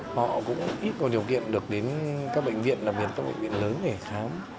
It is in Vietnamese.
họ cũng ít có điều kiện được đến các bệnh viện làm việc các bệnh viện lớn để khám